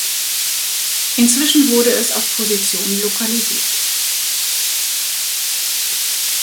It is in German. Inzwischen wurde es auf Position lokalisiert.